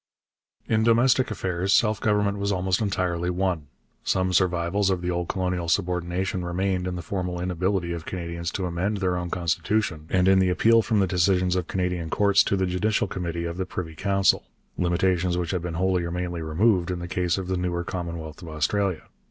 In domestic affairs self government was almost entirely won. Some survivals of the old colonial subordination remained in the formal inability of Canadians to amend their own constitution and in the appeal from the decisions of Canadian courts to the Judicial Committee of the Privy Council limitations which had been wholly or mainly removed in the case of the newer Commonwealth of Australia.